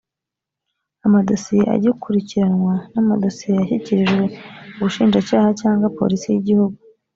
amadosiye agikurikiranwa n amadosiye yashyikirijwe ubushinjacyaha cyangwa polisi y igihugu